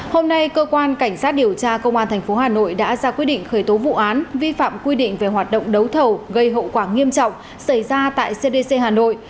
hôm nay cơ quan cảnh sát điều tra công an tp hà nội đã ra quyết định khởi tố vụ án vi phạm quy định về hoạt động đấu thầu gây hậu quả nghiêm trọng xảy ra tại cdc hà nội